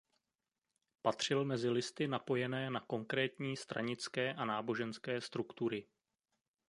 Patřil mezi listy napojené na konkrétní stranické a náboženské struktury.